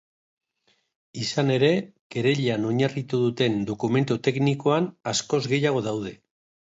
Izan ere, kereilan oinarritu duten dokumentu teknikoan askoz gehiago daude.